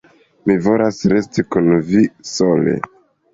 Mi volas resti kun vi sole.